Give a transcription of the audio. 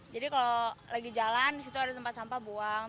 jadi kalau lagi jalan di situ ada tempat sampah buang